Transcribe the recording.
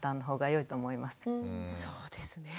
そうですね。